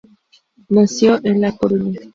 Nació en la Coruña.